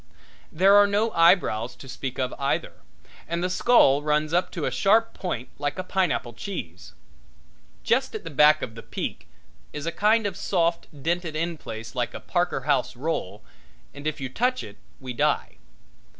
There are no eyebrows to speak of either, and the skull runs up to a sharp point like a pineapple cheese. Just back of the peak is a kind of soft, dented in place like a Parker House roll, and if you touch it we die.